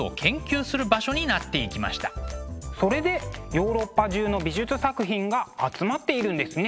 それでヨーロッパ中の美術作品が集まっているんですね。